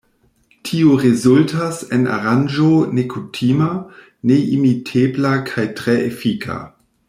Tio rezultas en aranĝo nekutima, neimitebla kaj tre efika.